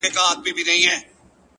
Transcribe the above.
هوښیار انتخاب د ستونزو شمېر کموي؛